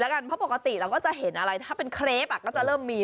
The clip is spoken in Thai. บางประกอบเราก็จะเห็นอะไรถ้าเป็นครีปก็จะเริ่มมี